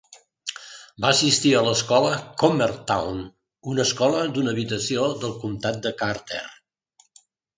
Va assistir a l'escola Crommertown, una escola d'una habitació del comtat de Carter.